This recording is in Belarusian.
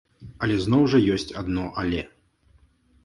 Але зноў жа ёсць адно але.